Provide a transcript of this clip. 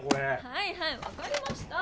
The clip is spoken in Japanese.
はいはいわかりました！